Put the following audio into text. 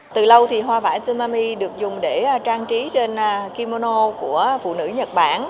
từ lâu thì hoa vải tsumami được dùng để trang trí trên kimono của phụ nữ nhật bản